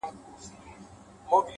هره هیله د عمل اړتیا لري’